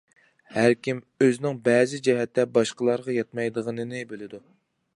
ھەر كىم ئۆزىنىڭ بەزى جەھەتتە باشقىلارغا يەتمەيدىغىنىنى بىلىدۇ.